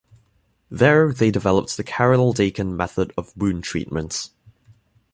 There they developed the Carrel-Dakin method of wound treatments.